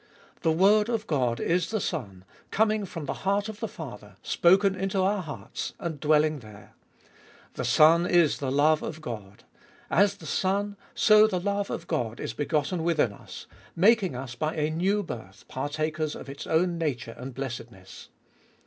The Word of God is the Son, coming from the heart of the Father, spoken into our hearts, and dwelling there. The Son is the Love of God ; as the Son, so the Love of God is begotten within us, making us, by a new birth, partakers of its own nature and blessedness.